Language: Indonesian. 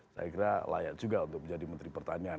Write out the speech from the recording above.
saya kira layak juga untuk menjadi menteri pertanyaan